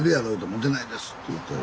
「モテないです」って言うてたよ。